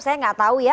saya nggak tahu ya